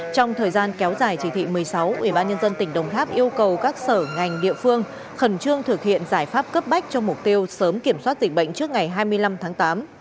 trong thời gian kéo dài chỉ thị một mươi sáu ubnd tỉnh đồng tháp yêu cầu các sở ngành địa phương khẩn trương thực hiện giải pháp cấp bách cho mục tiêu sớm kiểm soát dịch bệnh trước ngày hai mươi năm tháng tám